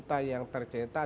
dan miliaran yang tercetak